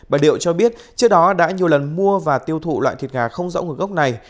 bà điệu cho biết trước đó đã nhiều lần mua và tiêu thụ loại thịt gà không rõ nguồn gốc này